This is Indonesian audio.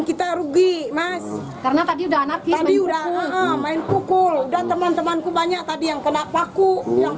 karena tadi udah anaknya diudah main pukul dan teman temanku banyak tadi yang kenapa aku yang